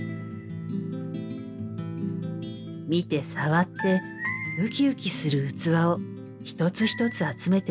見て触ってウキウキする器を一つ一つ集めている。